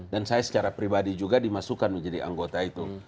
dan saya secara pribadi juga dimasukkan menjadi anggota itu